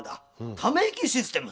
「ため息システム？」。